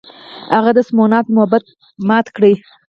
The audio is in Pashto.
هغه د سومنات معبد مات کړ.